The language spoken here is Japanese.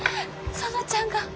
園ちゃんが。